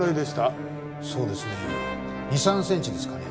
そうですね２３センチですかね。